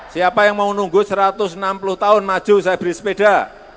siapa yang mau nunggu satu ratus enam puluh tahun maju saya beri sepeda